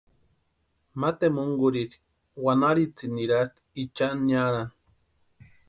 Ma tempunkurhiri wanarhitsini nirasti Ichan niarani.